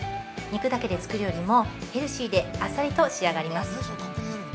肉だけで作るよりもヘルシーであっさりと仕上がります。